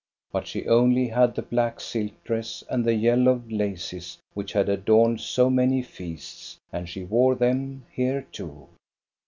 But she only had the black silk dress and the yellowed laces which had adorned so many feasts, and she wore them here too.